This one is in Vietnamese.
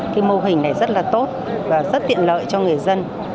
cái mô hình này rất là tốt và rất tiện lợi cho người dân